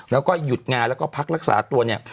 แล้วก็หยุดงานแล้วก็พักรักษาตัวเนี่ย